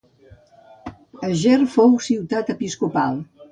Eger fou ciutat episcopal.